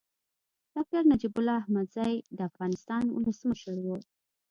ډاکټر نجيب الله احمدزی د افغانستان ولسمشر و.